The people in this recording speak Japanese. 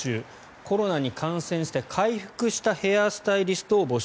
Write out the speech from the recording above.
コロナに感染して回復したヘアスタイリスト募集！